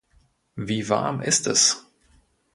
Wie warm ist es?